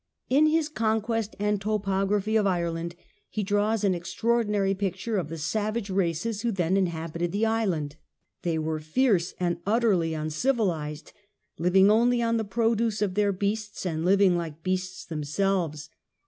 In his 'Conquest' and 'Topography' of Ireland he draws an extraordinary picture of the savage races who then inhabited the land. They were fierce and utterly uncivilized, " living only on the produce of their beasts, and living like beasts themselves